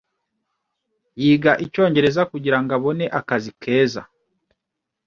Yiga Icyongereza kugirango abone akazi keza.